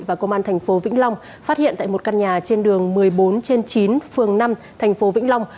và công an thành phố vĩnh long phát hiện tại một căn nhà trên đường một mươi bốn trên chín phường năm thành phố vĩnh long